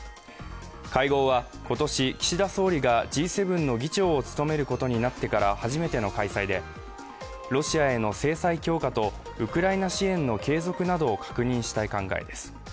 会合は、今年、岸田総理がＧ７の議長を務めることになってから初めての開催でロシアへの制裁強化とウクライナ支援の継続などを確認したい考えです。